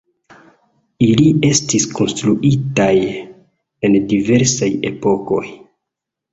Ili estis konstruitaj en diversaj epokoj.